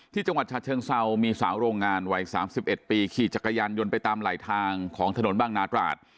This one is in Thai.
จังหวัดฉะเชิงเซามีสาวโรงงานวัย๓๑ปีขี่จักรยานยนต์ไปตามไหลทางของถนนบางนาตราด